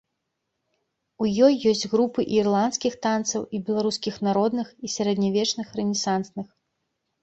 У ёй ёсць групы і ірландскіх танцаў, і беларускіх народных, і сярэднявечных рэнесансных.